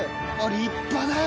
立派だよ！